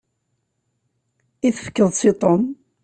I tefkeḍ-tt i Tom?